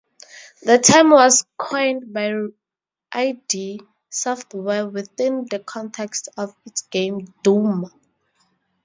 The term was coined by id Software within the context of its game, "Doom".